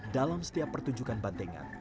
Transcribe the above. dalam setiap pertunjukan bandengan